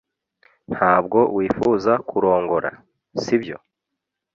ntabwo wifuza kurongora, sibyo